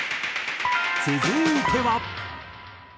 続いては。